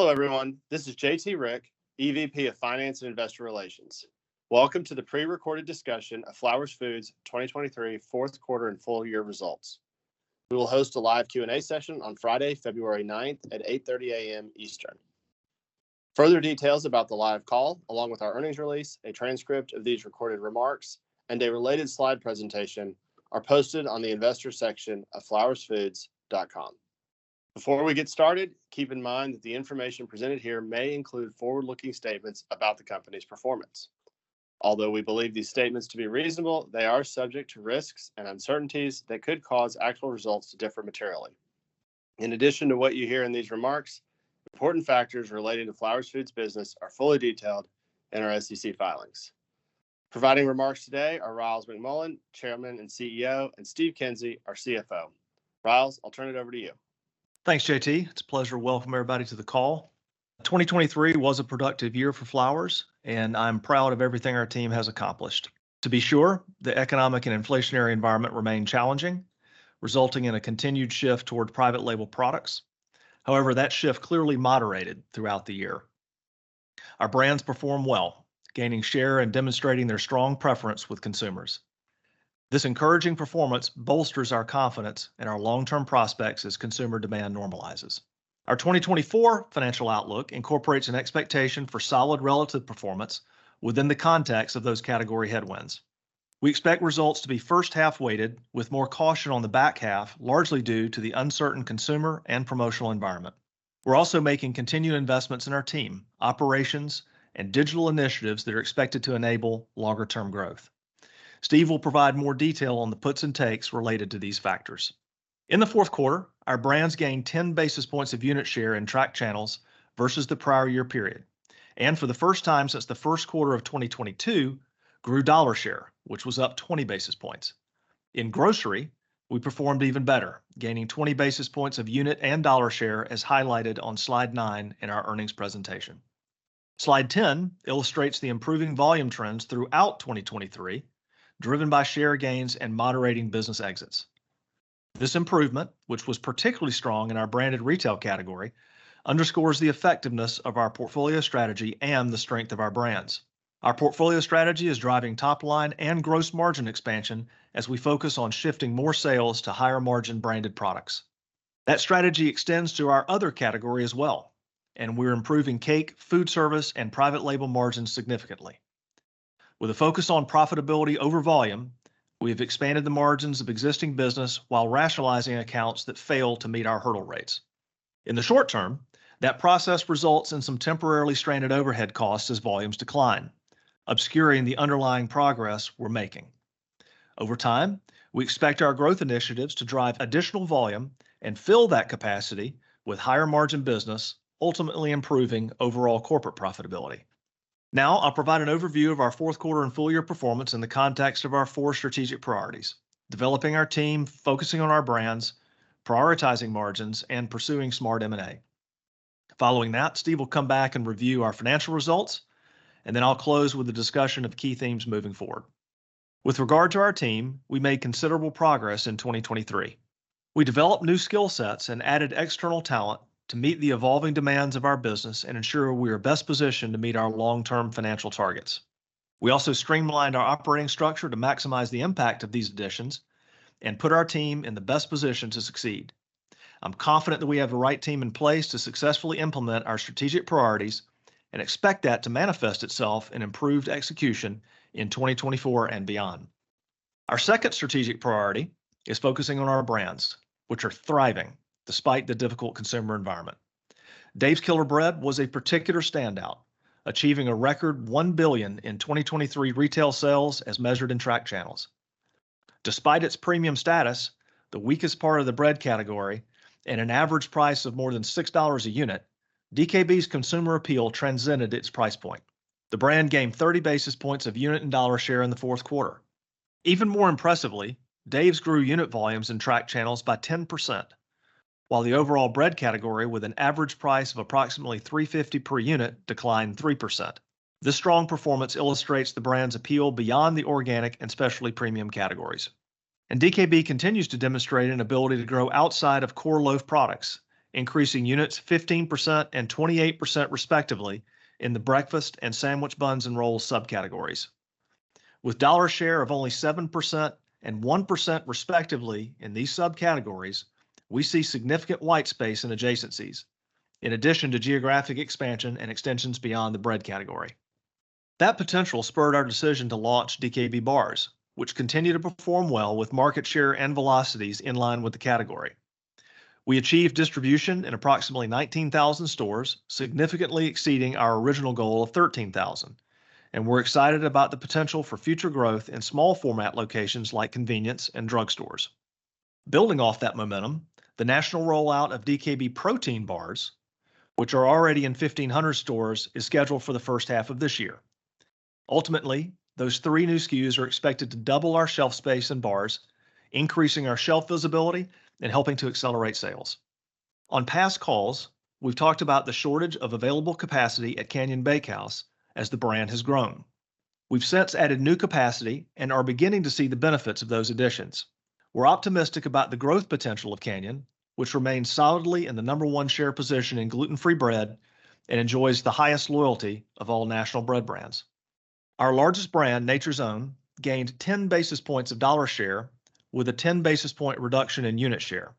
Hello everyone, this is J.T. Rieck, EVP of Finance and Investor Relations. Welcome to the pre-recorded discussion of Flowers Foods' 2023 Q4 and full year results. We will host a live Q&A session on Friday, February 9th at 8:30 A.M. Eastern. Further details about the live call, along with our earnings release, a transcript of these recorded remarks, and a related slide presentation, are posted on the investor section of flowersfoods.com. Before we get started, keep in mind that the information presented here may include forward-looking statements about the company's performance. Although we believe these statements to be reasonable, they are subject to risks and uncertainties that could cause actual results to differ materially. In addition to what you hear in these remarks, important factors relating to Flowers Foods' business are fully detailed in our SEC filings. Providing remarks today are Ryals McMullian, Chairman and CEO, and Steve Kinsey, our CFO. Ryals, I'll turn it over to you. Thanks, J.T. It's a pleasure to welcome everybody to the call. 2023 was a productive year for Flowers, and I'm proud of everything our team has accomplished. To be sure, the economic and inflationary environment remained challenging, resulting in a continued shift toward private label products. However, that shift clearly moderated throughout the year. Our brands performed well, gaining share and demonstrating their strong preference with consumers. This encouraging performance bolsters our confidence in our long-term prospects as consumer demand normalizes. Our 2024 financial outlook incorporates an expectation for solid relative performance within the context of those category headwinds. We expect results to be first-half weighted, with more caution on the back half, largely due to the uncertain consumer and promotional environment. We're also making continued investments in our team, operations, and digital initiatives that are expected to enable longer term growth. Steve will provide more detail on the puts and takes related to these factors. In the Q4, our brands gained 10 basis points of unit share in tracked channels versus the prior year period, and for the first time since the Q1 of 2022, grew dollar share, which was up 20 basis points. In grocery, we performed even better, gaining 20 basis points of unit and dollar share, as highlighted on Slide nine in our earnings presentation. Slide 10 illustrates the improving volume trends throughout 2023, driven by share gains and moderating business exits. This improvement, which was particularly strong in our branded retail category, underscores the effectiveness of our portfolio strategy and the strength of our brands. Our portfolio strategy is driving top line and gross margin expansion as we focus on shifting more sales to higher-margin branded products. That strategy extends to our other category as well, and we're improving cake, foodservice, and private label margins significantly. With a focus on profitability over volume, we have expanded the margins of existing business while rationalizing accounts that fail to meet our hurdle rates. In the short term, that process results in some temporarily strained overhead costs as volumes decline, obscuring the underlying progress we're making. Over time, we expect our growth initiatives to drive additional volume and fill that capacity with higher-margin business, ultimately improving overall corporate profitability. Now, I'll provide an overview of our Q4 and full year performance in the context of our four strategic priorities: developing our team, focusing on our brands, prioritizing margins, and pursuing smart M&A. Following that, Steve will come back and review our financial results, and then I'll close with a discussion of key themes moving forward. With regard to our team, we made considerable progress in 2023. We developed new skill sets and added external talent to meet the evolving demands of our business and ensure we are best positioned to meet our long-term financial targets. We also streamlined our operating structure to maximize the impact of these additions and put our team in the best position to succeed. I'm confident that we have the right team in place to successfully implement our strategic priorities and expect that to manifest itself in improved execution in 2024 and beyond. Our second strategic priority is focusing on our brands, which are thriving despite the difficult consumer environment. Dave's Killer Bread was a particular standout, achieving a record $1 billion in 2023 retail sales as measured in tracked channels. Despite its premium status, the weakest part of the bread category, and an average price of more than $6 a unit, DKB's consumer appeal transcended its price point. The brand gained 30 basis points of unit and dollar share in the Q4. Even more impressively, Dave's grew unit volumes in tracked channels by 10%, while the overall bread category, with an average price of approximately $3.50 per unit, declined 3%. This strong performance illustrates the brand's appeal beyond the organic and specialty premium categories. DKB continues to demonstrate an ability to grow outside of core loaf products, increasing units 15% and 28%, respectively, in the breakfast and sandwich buns and rolls subcategories. With dollar share of only 7% and 1%, respectively, in these subcategories, we see significant white space and adjacencies, in addition to geographic expansion and extensions beyond the bread category. That potential spurred our decision to launch DKB Bars, which continue to perform well with market share and velocities in line with the category. We achieved distribution in approximately 19,000 stores, significantly exceeding our original goal of 13,000, and we're excited about the potential for future growth in small format locations like convenience and drugstores. Building off that momentum, the national rollout of DKB Protein Bars, which are already in 1,500 stores, is scheduled for the first half of this year. Ultimately, those three new SKUs are expected to double our shelf space in bars, increasing our shelf visibility and helping to accelerate sales. On past calls, we've talked about the shortage of available capacity at Canyon Bakehouse as the brand has grown... We've since added new capacity and are beginning to see the benefits of those additions. We're optimistic about the growth potential of Canyon, which remains solidly in the number one share position in gluten-free bread and enjoys the highest loyalty of all national bread brands. Our largest brand, Nature's Own, gained 10 basis points of dollar share with a 10 basis point reduction in unit share.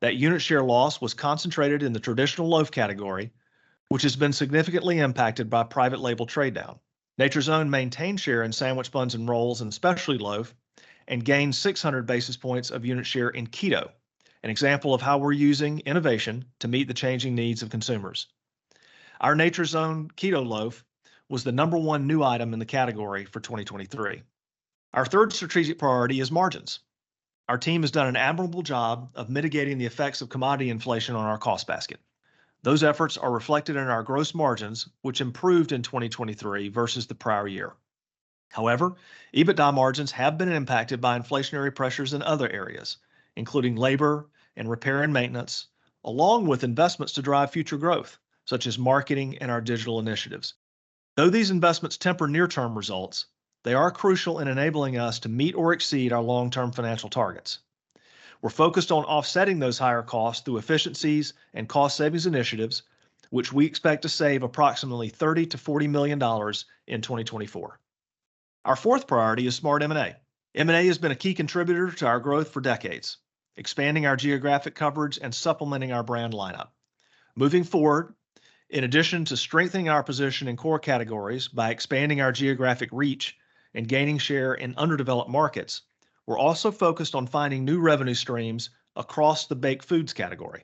That unit share loss was concentrated in the traditional loaf category, which has been significantly impacted by private label trade down. Nature's Own maintained share in sandwich buns and rolls and specialty loaf, and gained 600 basis points of unit share in keto, an example of how we're using innovation to meet the changing needs of consumers. Our Nature's Own Keto Loaf was the number one new item in the category for 2023. Our third strategic priority is margins. Our team has done an admirable job of mitigating the effects of commodity inflation on our cost basket. Those efforts are reflected in our gross margins, which improved in 2023 versus the prior year. However, EBITDA margins have been impacted by inflationary pressures in other areas, including labor and repair and maintenance, along with investments to drive future growth, such as marketing and our digital initiatives. Though these investments temper near-term results, they are crucial in enabling us to meet or exceed our long-term financial targets. We're focused on offsetting those higher costs through efficiencies and cost savings initiatives, which we expect to save approximately $30 million-$40 million in 2024. Our fourth priority is smart M&A. M&A has been a key contributor to our growth for decades, expanding our geographic coverage and supplementing our brand lineup. Moving forward, in addition to strengthening our position in core categories by expanding our geographic reach and gaining share in underdeveloped markets, we're also focused on finding new revenue streams across the baked foods category.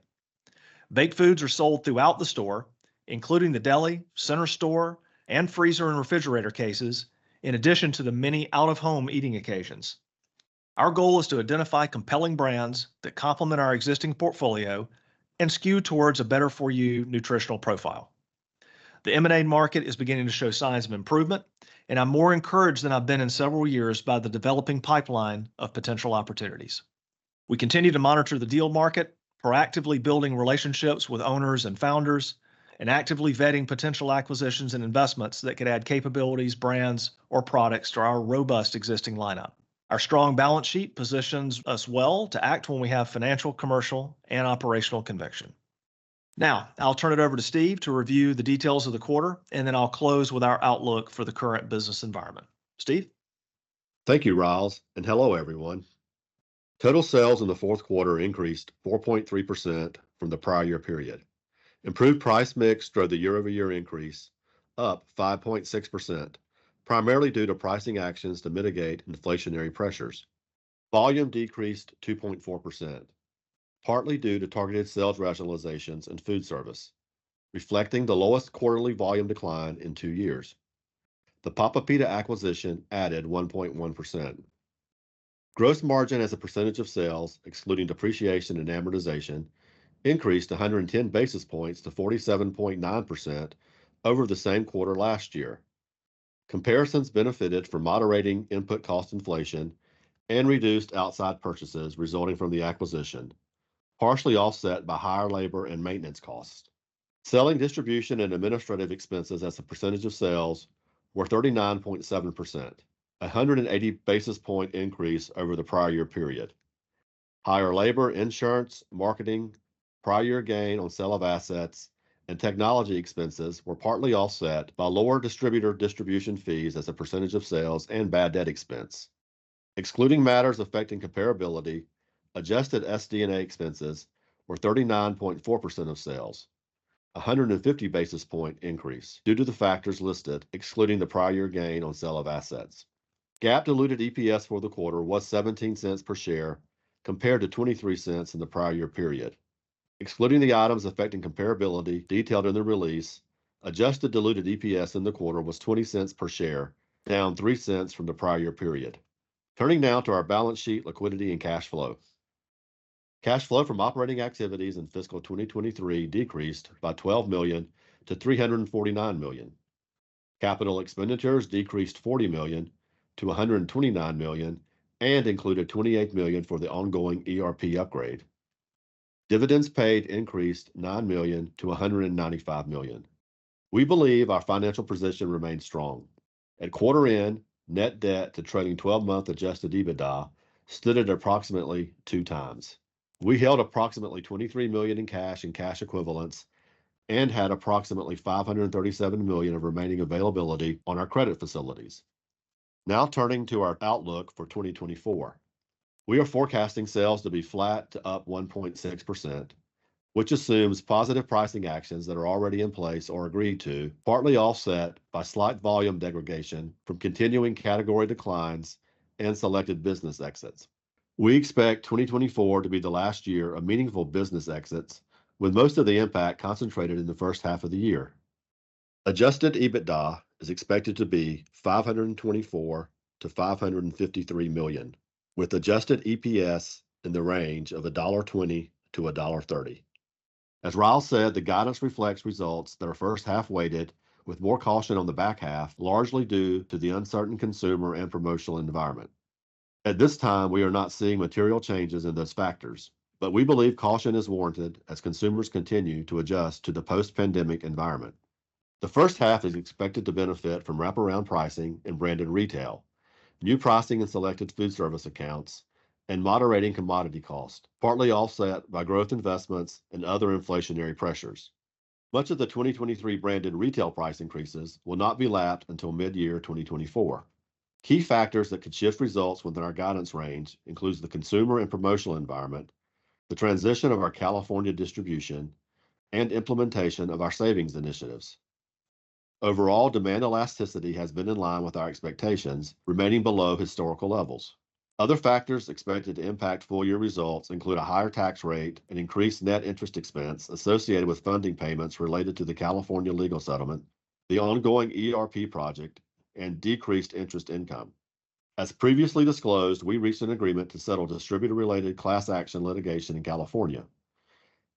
Baked foods are sold throughout the store, including the deli, center store, and freezer and refrigerator cases, in addition to the many out-of-home eating occasions. Our goal is to identify compelling brands that complement our existing portfolio and skew towards a better-for-you nutritional profile. The M&A market is beginning to show signs of improvement, and I'm more encouraged than I've been in several years by the developing pipeline of potential opportunities. We continue to monitor the deal market, proactively building relationships with owners and founders, and actively vetting potential acquisitions and investments that could add capabilities, brands, or products to our robust existing lineup. Our strong balance sheet positions us well to act when we have financial, commercial, and operational conviction. Now, I'll turn it over to Steve to review the details of the quarter, and then I'll close with our outlook for the current business environment. Steve? Thank you, Ryals, and hello, everyone. Total sales in the Q4 increased 4.3% from the prior year period. Improved price mix drove the year-over-year increase, up 5.6%, primarily due to pricing actions to mitigate inflationary pressures. Volume decreased 2.4%, partly due to targeted sales rationalizations and foodservice, reflecting the lowest quarterly volume decline in two years. The Papa Pita acquisition added 1.1%. Gross margin as a percentage of sales, excluding depreciation and amortization, increased 110 basis points to 47.9% over the same quarter last year. Comparisons benefited from moderating input cost inflation and reduced outside purchases resulting from the acquisition, partially offset by higher labor and maintenance costs. Selling, distribution, and administrative expenses as a percentage of sales were 39.7%, a 180 basis point increase over the prior year period. Higher labor, insurance, marketing, prior year gain on sale of assets, and technology expenses were partly offset by lower distributor distribution fees as a percentage of sales and bad debt expense. Excluding matters affecting comparability, adjusted SD&A expenses were 39.4% of sales, a 150 basis point increase due to the factors listed, excluding the prior year gain on sale of assets. GAAP diluted EPS for the quarter was $0.17 per share, compared to $0.23 in the prior year period. Excluding the items affecting comparability detailed in the release, adjusted diluted EPS in the quarter was $0.20 per share, down $0.03 from the prior year period. Turning now to our balance sheet, liquidity, and cash flow. Cash flow from operating activities in fiscal 2023 decreased by $12 million-$349 million. Capital expenditures decreased $40 million-$129 million and included $28 million for the ongoing ERP upgrade. Dividends paid increased $9 million-$195 million. We believe our financial position remains strong. At quarter end, net debt to trailing twelve-month Adjusted EBITDA stood at approximately 2x. We held approximately $23 million in cash and cash equivalents and had approximately $537 million of remaining availability on our credit facilities. Now turning to our outlook for 2024. We are forecasting sales to be flat to up 1.6%, which assumes positive pricing actions that are already in place or agreed to, partly offset by slight volume degradation from continuing category declines and selected business exits. We expect 2024 to be the last year of meaningful business exits, with most of the impact concentrated in the first half of the year. Adjusted EBITDA is expected to be $524 million-$553 million, with adjusted EPS in the range of $1.20-$1.30. As Ryals said, the guidance reflects results that are first-half weighted with more caution on the back half, largely due to the uncertain consumer and promotional environment. At this time, we are not seeing material changes in those factors, but we believe caution is warranted as consumers continue to adjust to the post-pandemic environment. The first half is expected to benefit from wraparound pricing and branded retail, new pricing in selected foodservice accounts, and moderating commodity costs, partly offset by growth investments and other inflationary pressures. Much of the 2023 branded retail price increases will not be lapped until mid-year 2024. Key factors that could shift results within our guidance range includes the consumer and promotional environment, the transition of our California distribution, and implementation of our savings initiatives. Overall, demand elasticity has been in line with our expectations, remaining below historical levels. Other factors expected to impact full year results include a higher tax rate and increased net interest expense associated with funding payments related to the California legal settlement, the ongoing ERP project, and decreased interest income. As previously disclosed, we reached an agreement to settle distributor-related class action litigation in California.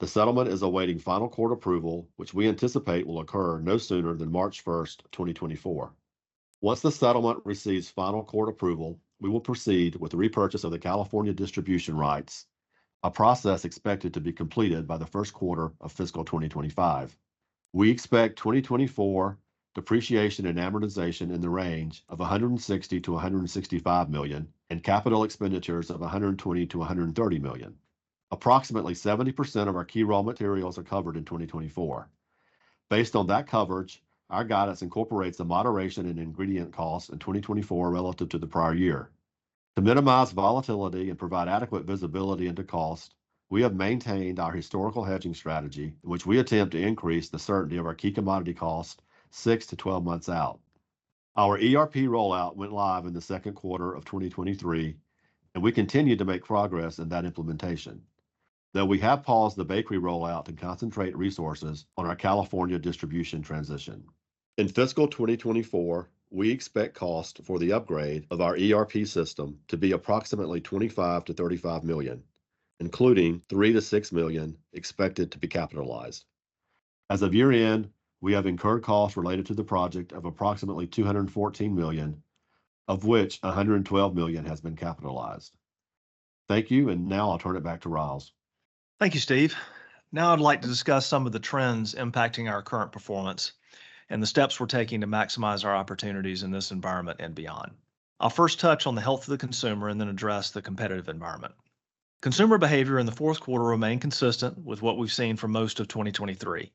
The settlement is awaiting final court approval, which we anticipate will occur no sooner than March 1st, 2024. Once the settlement receives final court approval, we will proceed with the repurchase of the California distribution rights, a process expected to be completed by the Q1 of fiscal 2025. We expect 2024 depreciation and amortization in the range of $160 million-$165 million, and capital expenditures of $120 million-$130 million. Approximately 70% of our key raw materials are covered in 2024. Based on that coverage, our guidance incorporates a moderation in ingredient costs in 2024 relative to the prior year. To minimize volatility and provide adequate visibility into cost, we have maintained our historical hedging strategy, in which we attempt to increase the certainty of our key commodity costs six-12 months out. Our ERP rollout went live in the Q2 of 2023, and we continue to make progress in that implementation, though we have paused the bakery rollout to concentrate resources on our California distribution transition. In fiscal 2024, we expect costs for the upgrade of our ERP system to be approximately $25 million-$35 million, including $3 million-$6 million expected to be capitalized. As of year-end, we have incurred costs related to the project of approximately $214 million, of which $112 million has been capitalized. Thank you, and now I'll turn it back to Ryals. Thank you, Steve. Now I'd like to discuss some of the trends impacting our current performance and the steps we're taking to maximize our opportunities in this environment and beyond. I'll first touch on the health of the consumer and then address the competitive environment. Consumer behavior in the Q4 remained consistent with what we've seen for most of 2023.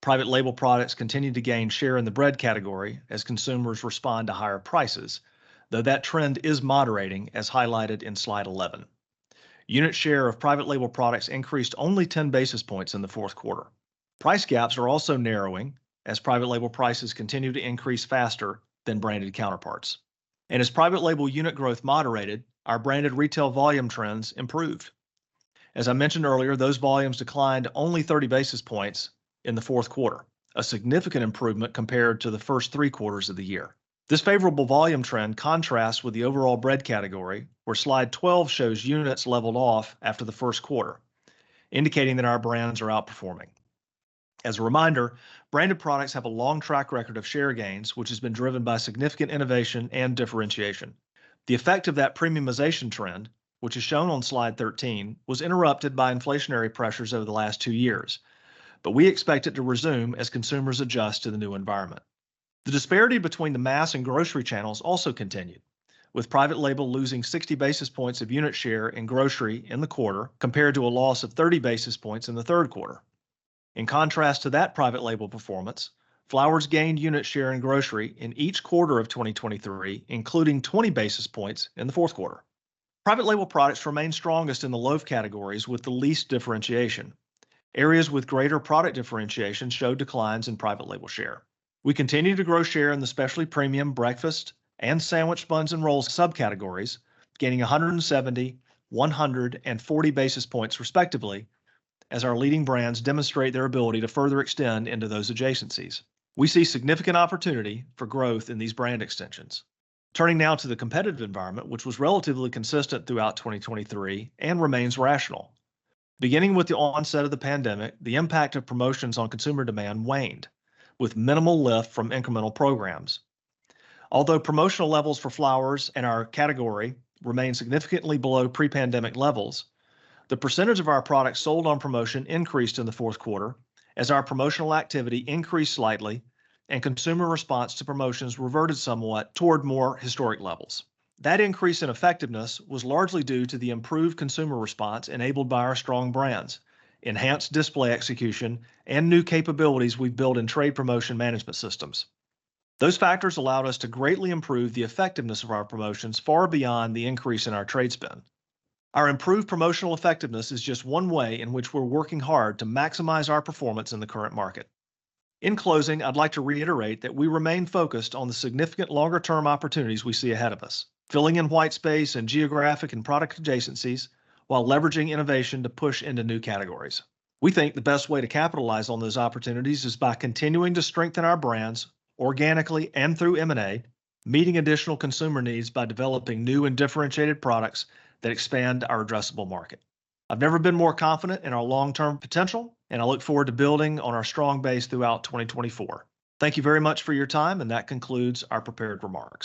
Private label products continued to gain share in the bread category as consumers respond to higher prices, though that trend is moderating, as highlighted in Slide 11. Unit share of private label products increased only 10 basis points in the Q4. Price gaps are also narrowing as private label prices continue to increase faster than branded counterparts. As private label unit growth moderated, our branded retail volume trends improved. As I mentioned earlier, those volumes declined only 30 basis points in the Q4, a significant improvement compared to the first three quarters of the year. This favorable volume trend contrasts with the overall bread category, where Slide 12 shows units leveled off after the Q1, indicating that our brands are outperforming. As a reminder, branded products have a long track record of share gains, which has been driven by significant innovation and differentiation. The effect of that premiumization trend, which is shown on Slide 13, was interrupted by inflationary pressures over the last two years, but we expect it to resume as consumers adjust to the new environment. The disparity between the mass and grocery channels also continued, with private label losing 60 basis points of unit share in grocery in the quarter, compared to a loss of 30 basis points in the Q3. In contrast to that private label performance, Flowers gained unit share in grocery in each quarter of 2023, including 20 basis points in the Q4. Private label products remain strongest in the loaf categories with the least differentiation. Areas with greater product differentiation showed declines in private label share. We continue to grow share in the specialty premium breakfast and sandwich buns and rolls subcategories, gaining 170, 100, and 40 basis points, respectively, as our leading brands demonstrate their ability to further extend into those adjacencies. We see significant opportunity for growth in these brand extensions. Turning now to the competitive environment, which was relatively consistent throughout 2023 and remains rational. Beginning with the onset of the pandemic, the impact of promotions on consumer demand waned, with minimal lift from incremental programs. Although promotional levels for Flowers and our category remain significantly below pre-pandemic levels, the percentage of our products sold on promotion increased in the Q4 as our promotional activity increased slightly and consumer response to promotions reverted somewhat toward more historic levels. That increase in effectiveness was largely due to the improved consumer response enabled by our strong brands, enhanced display execution, and new capabilities we've built in trade promotion management systems. Those factors allowed us to greatly improve the effectiveness of our promotions far beyond the increase in our trade spend. Our improved promotional effectiveness is just one way in which we're working hard to maximize our performance in the current market. In closing, I'd like to reiterate that we remain focused on the significant longer term opportunities we see ahead of us, filling in white space and geographic and product adjacencies while leveraging innovation to push into new categories. We think the best way to capitalize on those opportunities is by continuing to strengthen our brands organically and through M&A, meeting additional consumer needs by developing new and differentiated products that expand our addressable market. I've never been more confident in our long-term potential, and I look forward to building on our strong base throughout 2024. Thank you very much for your time, and that concludes our prepared remarks.